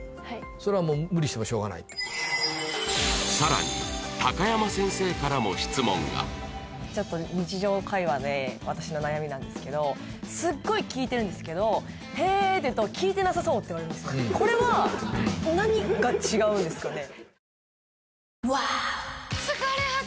それはもう無理してもしょうがないってさらにちょっと日常会話で私の悩みなんですけどすっごい聞いてるんですけど「へえっ」っていうと「聞いてなさそう」って言われるこれは何が違うんですかね？